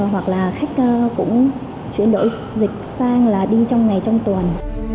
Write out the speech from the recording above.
hoặc là khách cũng chuyển đổi dịch sang là đi trong ngày trong tuần